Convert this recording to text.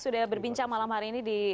sudah berbincang malam hari ini